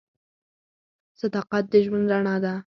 صداقت د ژوند رڼا ده.